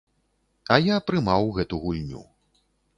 А я прымаў гэту гульню.